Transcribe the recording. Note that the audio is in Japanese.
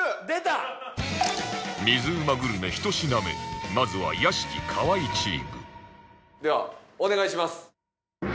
水うまグルメ１品目まずは屋敷河井チームではお願いします。